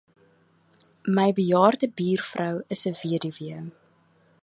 My bejaarde buurvrou is 'n weduwee.